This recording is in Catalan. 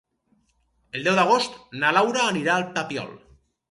El deu d'agost na Laura anirà al Papiol.